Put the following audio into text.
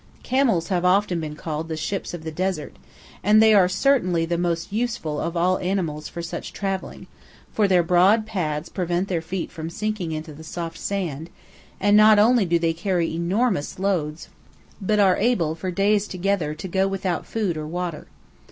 Camels have often been called the "ships of the desert," and they are certainly the most useful of all animals for such travelling, for their broad pads prevent their feet from sinking into the soft sand, and not only do they carry enormous loads, but are able for days together to go without food or water.